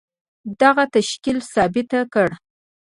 دغه تشکيل ثابته کړه.